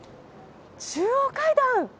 中央階段。